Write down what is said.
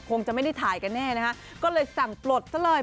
คงจะไม่ได้ถ่ายกันแน่นะคะก็เลยสั่งปลดซะเลย